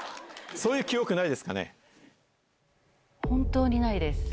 そういう記憶ないですかね？